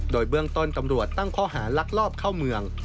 โดยเบื้องต้นตำรวจตั้งข้อหาลักลอบเข้าเมือง